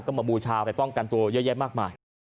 ก็มาบูชาไปป้องกันตัวเยอะแยะมากมาย